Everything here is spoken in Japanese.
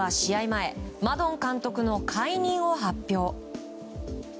前マドン監督の解任を発表。